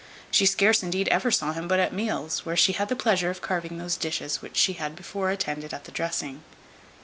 She scarce indeed ever saw him but at meals; where she had the pleasure of carving those dishes which she had before attended at the dressing.